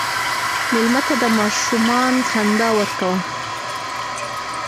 مېلمه ته د ماشومان خندا ورکوه.